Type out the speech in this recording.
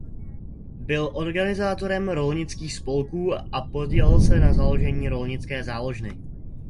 Byl organizátorem rolnických spolků a podílel se na založení rolnické záložny.